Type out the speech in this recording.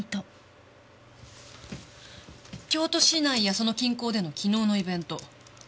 京都市内やその近郊での昨日のイベント。